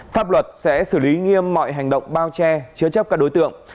pháp luật sẽ xử lý nghiêm mọi hành động bao che chứa chấp các đối tượng